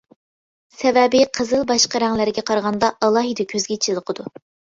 سەۋەبى قىزىل باشقا رەڭلەرگە قارىغاندا ئالاھىدە كۆزگە چېلىقىدۇ.